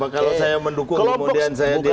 kalau saya mendukung kemudian saya